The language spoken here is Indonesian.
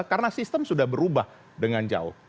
karena sistem sudah berubah dengan jauh